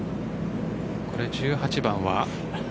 １８番は。